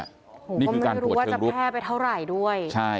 ไม่รู้ว่าจะแพ่ไปเท่าไรด้วย